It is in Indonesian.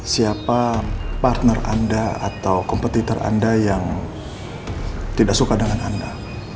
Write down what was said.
siapa partner anda atau kompetitor anda yang tidak suka dengan anda